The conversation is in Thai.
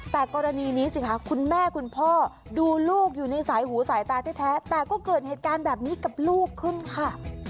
แต่กรณีนี้สิคะคุณแม่คุณพ่อดูลูกอยู่ในสายหูสายตาแท้แต่ก็เกิดเหตุการณ์แบบนี้กับลูกขึ้นค่ะ